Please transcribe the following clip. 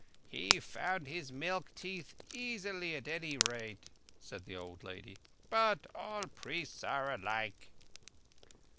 "He found his milk teeth easily at any rate," said the old lady. "But all priests are alike."